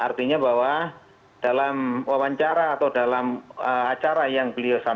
ya artinya bahwa dalam wawancara atau dalam acara yang kemudian diadakan